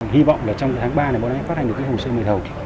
hy vọng là trong tháng ba này bọn ấy phát hành được cái hồn xây mời thầu